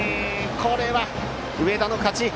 これは上田の勝ち！